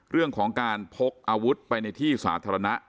เรื่องของการพกอาวุธไปในที่สาธารณะ